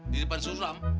di depan sulam